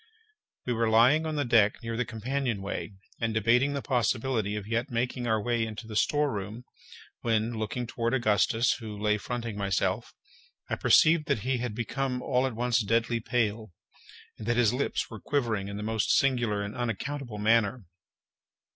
We were lying on the deck near the companion way, and debating the possibility of yet making our way into the storeroom, when, looking toward Augustus, who lay fronting myself, I perceived that he had become all at once deadly pale, and that his lips were quivering in the most singular and unaccountable manner.